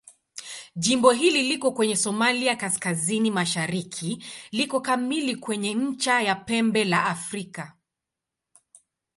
Jimbo hili liko kwenye Somalia kaskazini-mashariki liko kamili kwenye ncha ya Pembe la Afrika.